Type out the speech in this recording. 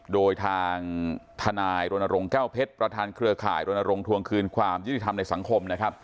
โดยทางทนายรณรงค์แก้วเพชรประธานเครือข่ายรณรงค์ทวงคืนความยุติธรรมในสังคมนะครับ